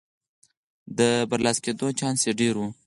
د برلاسه کېدو چانس یې ډېر و.